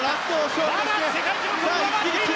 まだ世界記録を上回っている。